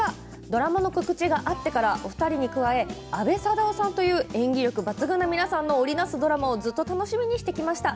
ドラマの告知があってからお二人に加え阿部サダヲさんという演技力抜群な皆さんの織り成すドラマをずっと楽しみにしてきました。